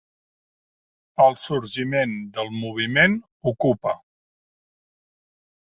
El sorgiment del moviment ocupa.